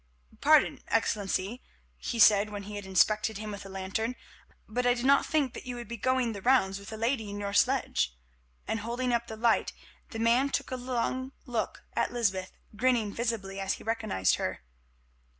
"Pardon, Excellency," he said when he had inspected him with a lantern, "but I did not think that you would be going the rounds with a lady in your sledge," and holding up the light the man took a long look at Lysbeth, grinning visibly as he recognised her.